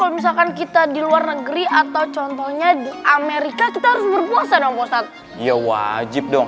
kalau misalkan kita di luar negeri atau contohnya di amerika kita harus berpuasa dong ustadz ya wajib dong